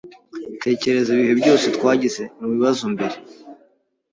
Tekereza ibihe byose twagize mubibazo mbere.